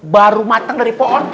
baru matang dari pohon